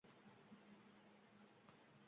Karimberdiga bersam, uni ishga olasizmi?